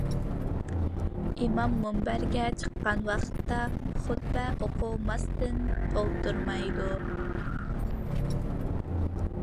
ئىمام مۇنبەرگە چىققان ۋاقتىدا خۇتبە ئوقۇماستىن ئولتۇرمايدۇ.